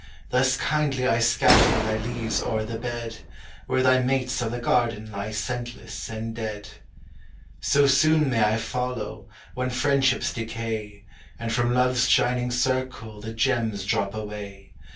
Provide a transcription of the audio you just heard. Thus kindly I scatter Thy leaves oŌĆÖer the bed, Where thy mates of the garden Lie scentless and dead. So soon may I follow, When friendships decay, And from LoveŌĆÖs shining circle The gems drop away.